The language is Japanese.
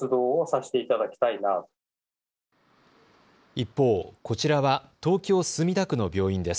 一方、こちらは東京墨田区の病院です。